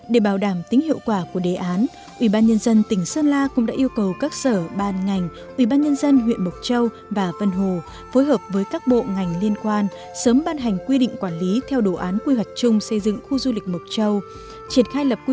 để bảo đảm tính hiệu quả của đề án ubnd tỉnh sơn la cũng đã yêu cầu các sở ban ngành ubnd huyện mộc châu và vân hồ phối hợp với các bộ ngành liên quan sớm ban hành quy định quản lý theo đồ án quy hoạch chung xây dựng khu du lịch mộc châu